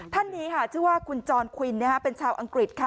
ท่านนี้ค่ะชื่อว่าคุณจรควินเป็นชาวอังกฤษค่ะ